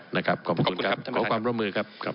ขอบคุณครับขอความร่วมมือครับ